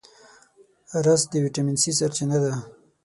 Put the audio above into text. رس د ویټامین C سرچینه ده